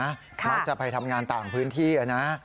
มักจะไปทำงานต่างพื้นที่นะ